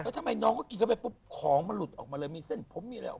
แล้วทำไมน้องก็กินเข้าไปปุ๊บของมันหลุดออกมาเลย